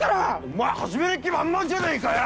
お前始める気満々じゃねえかよ！